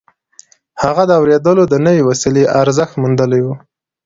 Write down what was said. هغه د اورېدلو د نوې وسيلې ارزښت موندلی و.